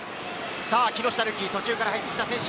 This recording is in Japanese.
木下瑠己、途中から入った選手。